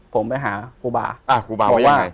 ผมไปหาครูบาร์เพราะว่า